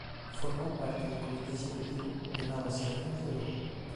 Formou parte do comité executivo de Novas Xeracións de Lugo.